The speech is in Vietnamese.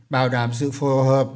bảo đảm sự phù hợp